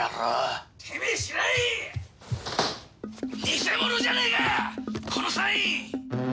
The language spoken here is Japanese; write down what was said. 偽物じゃねえかこのサイン！